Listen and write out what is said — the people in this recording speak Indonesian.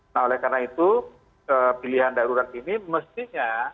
nah oleh karena itu pilihan darurat ini mestinya